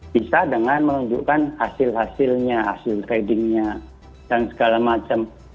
bisa dengan menunjukkan hasil hasilnya hasil tradingnya dan segala macam